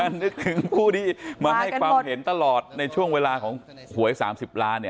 นึกถึงผู้ที่มาให้ความเห็นตลอดในช่วงเวลาของหวย๓๐ล้าน